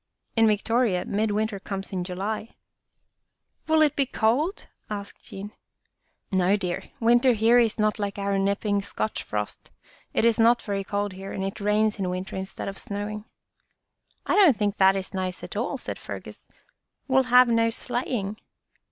In Victoria, midwinter comes in July." "Will it be cold?" asked Jean. " No, dear, winter here is not like our nip ping Scotch frost. It is not very cold here, and it rains in winter instead of snowing." " I don't think that is nice at all," said Fergus. " We'll have no sleighing."